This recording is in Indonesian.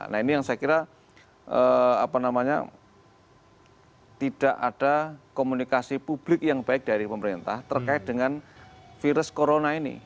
nah ini yang saya kira tidak ada komunikasi publik yang baik dari pemerintah terkait dengan virus corona ini